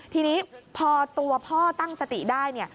ทีนี้พอตัวพ่อตั้งสติได้